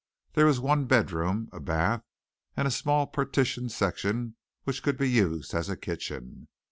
There was one bed room, a bath, and a small partitioned section which could be used as a kitchen.